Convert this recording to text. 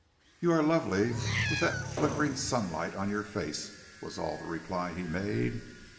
"You are lovely with that flickering sunlight on your face," was all the reply he made.